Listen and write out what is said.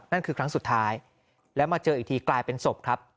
นั่นคือครั้งสุดท้ายแล้วมาเจออีกทีกลายเป็นศพครับ